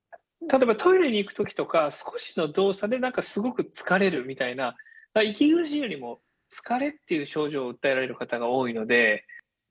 例えば、トイレに行くときとか、少しの動作でなんかすごく疲れるみたいな、息苦しいよりも、疲れっていう症状を訴えられる方が多いので。